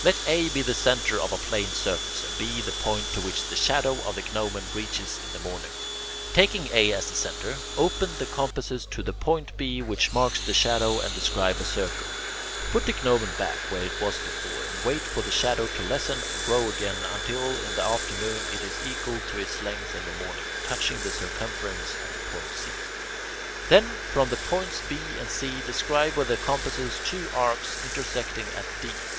Let A be the centre of a plane surface, and B the point to which the shadow of the gnomon reaches in the morning. Taking A as the centre, open the compasses to the point B, which marks the shadow, and describe a circle. Put the gnomon back where it was before and wait for the shadow to lessen and grow again until in the afternoon it is equal to its length in the morning, touching the circumference at the point C. Then from the points B and C describe with the compasses two arcs intersecting at D.